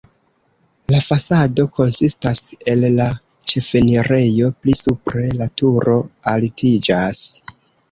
La fasado konsistas el la ĉefenirejo, pli supre la turo altiĝas.